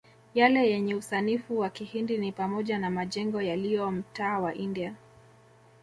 Yale yenye usanifu wa kihindi ni pamoja na majengo yaliyo mtaa wa India